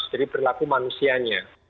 jadi perilaku manusianya